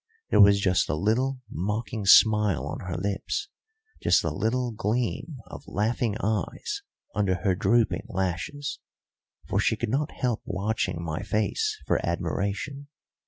There was just a little mocking smile on her lips, just a little gleam of laughing eyes under her drooping lashes, for she could not help watching my face for admiration.